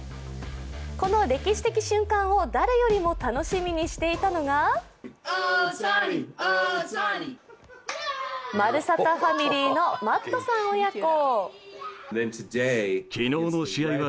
この歴史的瞬間を誰よりも楽しみにしていたのがまるサタファミリーのマットさん親子。